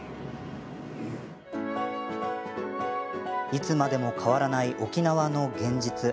いつまでも変わらない沖縄の現実。